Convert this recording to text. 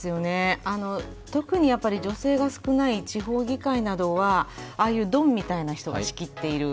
特に女性が少ない地方議会などはああいうドンみたいな人が仕切っている。